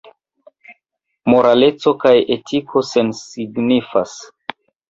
Moraleco kaj etiko sensignifas.